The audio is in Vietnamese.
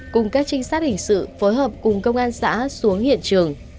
cùng các trinh sát hình sự phối hợp cùng công an xã xuống hiện trường